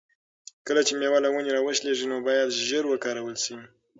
کله چې مېوه له ونې را وشلیږي نو باید ژر وکارول شي.